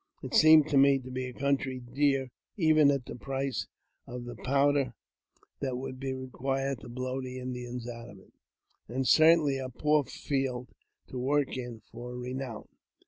It seemed to me to be a country dear even at the price of the powder that would be required to blow the Indians out of it, and certainly a poor field to work in iovreiwwn.